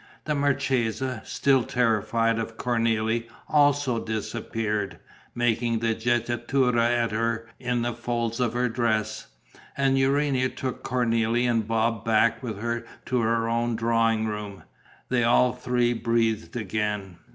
The marchesa, still terrified of Cornélie, also disappeared, making the jettatura at her in the folds of her dress. And Urania took Cornélie and Bob back with her to her own drawing room. They all three breathed again.